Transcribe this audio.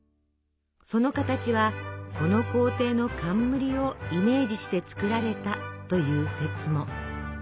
その形はこの皇帝の冠をイメージして作られたという説も。